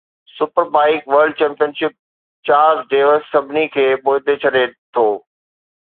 super bike world championship Chaz Davies سڀني کي پوئتي ڇڏي ٿو